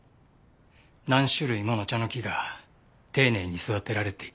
何種類ものチャノキが丁寧に育てられていた。